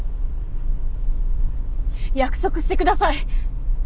約束してください！